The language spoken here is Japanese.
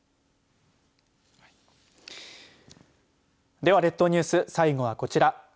では、列島ニュース最後はこちら。